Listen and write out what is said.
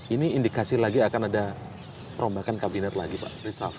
ini indikasi lagi akan ada perombakan kabinet lagi pak risaf